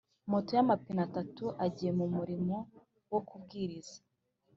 Moto y amapine atatu agiye mu murimo wo kubwiriza